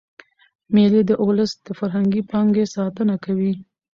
مېلې د اولس د فرهنګي پانګي ساتنه کوي.